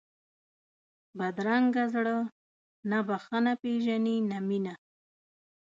بدرنګه زړه نه بښنه پېژني نه مینه